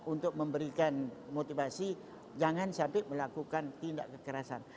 untuk memberikan motivasi jangan sampai melakukan tindak kekerasan